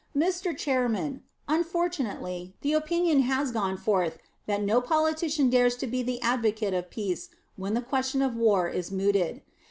Mr. Chairman, unfortunately, the opinion has gone forth that no politician dares to be the advocate of peace when the question of war is mooted.